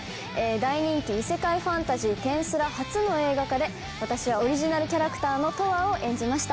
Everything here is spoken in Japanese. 大人気異世界ファンタジー『転スラ』初の映画化で私はオリジナルキャラクターのトワを演じました。